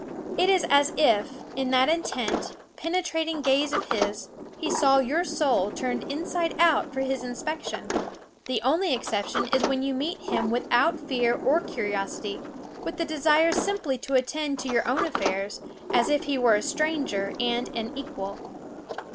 It is as if, in that intent, penetrating gaze of his, he saw your soul turned inside out for his inspection. The only exception is when you meet him with out fear or curiosity, with the desire simply to attend to your own affairs, as if he were a stranger and an equal.